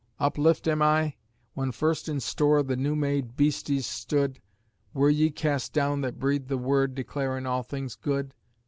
Uplift am I? When first in store the new made beasties stood, Were ye cast down that breathed the Word declarin' all things good?